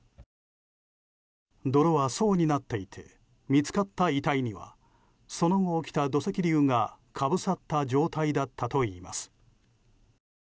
泥は層になっていて見つかった遺体にはその後、起きた土石流がかぶさった状態だったといいます。